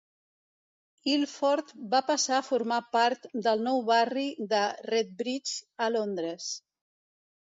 Ilford va passar a formar part del nou barri de Redbridge a Londres.